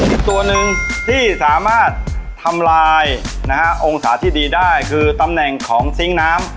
อีกตัวหนึ่งที่สามารถทำลายนะฮะองศาที่ดีได้คือตำแหน่งของซิงค์น้ำ